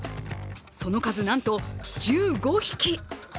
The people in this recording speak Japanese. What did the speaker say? その数、なんと１５匹。